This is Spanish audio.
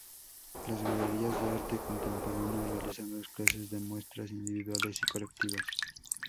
Las galerías de arte contemporáneo realizan dos clases de muestras: individuales y colectivas.